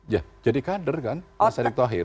ya jadi kader kan mas erick thohir